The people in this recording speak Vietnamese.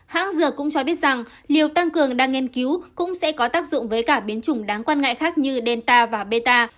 hãng dược cũng cho biết rằng liều tăng cường đang nghiên cứu cũng sẽ có tác dụng với cả biến chủng đáng quan ngại khác như delta và meta